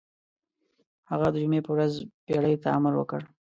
هغه د جمعې په ورځ بېړۍ ته امر وکړ.